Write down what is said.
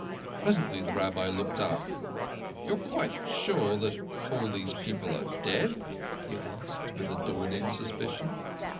Presently the Rabbi looked up :" You're quite sure all these people are dead?" he asked with a dawning suspi cion.